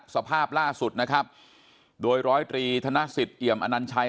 สภาพล่าสุดนะครับโดยร้อยตรีธนสิทธิเอี่ยมอนัญชัย